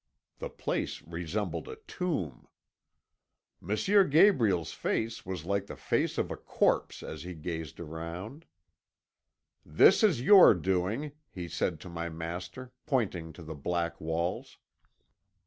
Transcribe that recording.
The place resembled a tomb. "M. Gabriel's face was like the face of a corpse as he gazed around. "'This is your doing,' he said to my master, pointing to the black walls.